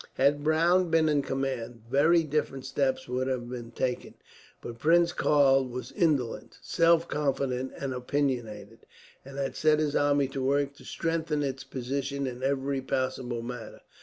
Had Browne been in command, very different steps would have been taken; but Prince Karl was indolent, self confident, and opinionated, and had set his army to work to strengthen its position in every possible manner.